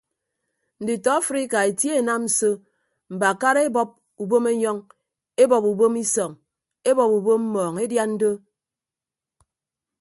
Nditọ afrika etie enam so mbakara ebọp ubom enyọñ ebọp ubom isọñ ebọp ubom mmọọñ edian do.